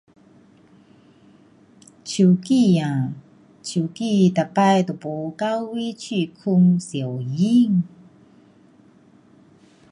手机啊，手机每次都没够地方拍照。